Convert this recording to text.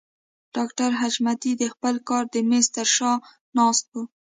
ډاکټر حشمتي د خپل کار د مېز تر شا ناست و.